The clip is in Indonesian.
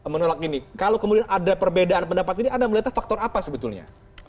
menolak ini kalau kemudian ada perbedaan pendapat ini anda melihatnya faktor apa sebetulnya